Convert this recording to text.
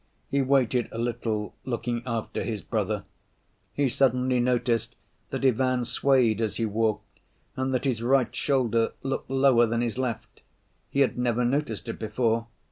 He waited a little, looking after his brother. He suddenly noticed that Ivan swayed as he walked and that his right shoulder looked lower than his left. He had never noticed it before.